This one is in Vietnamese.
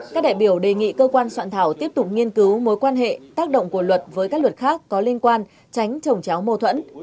các đại biểu đề nghị cơ quan soạn thảo tiếp tục nghiên cứu mối quan hệ tác động của luật với các luật khác có liên quan tránh trồng cháo mâu thuẫn